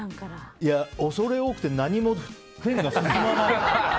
恐れ多くて何もペンが進まない。